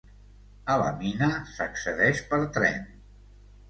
A la mina s'accedeix per tren.